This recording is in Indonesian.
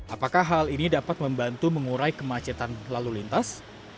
apakah hal ini dapat membantu mengurai kemacetan lalu lintas